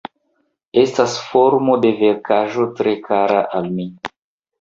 Estas formo de verkaĵo tre kara al mi.